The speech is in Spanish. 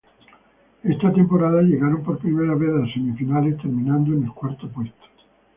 Esa temporada, llegaron por primera vez a semifinales, terminando en el cuarto puesto.